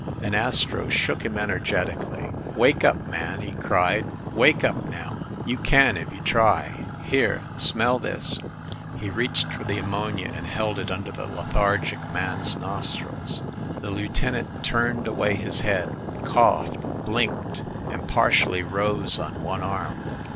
Then Astro shook him energet ically. "Wake up, man !" he cried. "Wake up now ! You can, if you try ! Here ! Smell this !" He reached for the ammonia and held it under the lethargic man's nos trils. The lieutenant turned away his head, coughed, blinked, and partially rose on one arm.